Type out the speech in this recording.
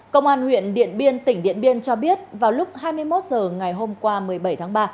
công an huyện điện biên tỉnh điện biên cho biết vào lúc hai mươi một h ngày hôm qua một mươi bảy tháng ba